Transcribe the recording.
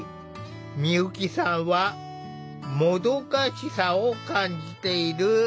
美由紀さんはもどかしさを感じている。